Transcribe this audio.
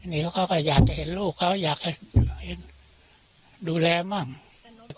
เนี้ยเขาไปอยากจะเห็นลูกเขาอยากให้ดูแลมาก